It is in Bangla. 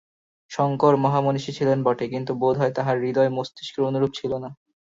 শঙ্কর মহামনীষী ছিলেন বটে, কিন্তু বোধ হয় তাঁহার হৃদয় মস্তিষ্কের অনুরূপ ছিল না।